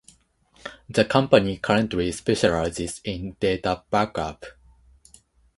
The company currently specializes in data backup.